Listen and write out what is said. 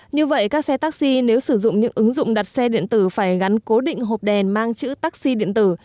như vậy các xe taxi nếu sử dụng những ứng dụng đặt xe điện tử phải gắn cố định hộp đèn mang chữ taxi điện tử